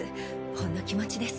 ほんの気持ちです。